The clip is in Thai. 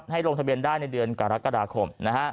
ลงทะเบียนได้ในเดือนกรกฎาคม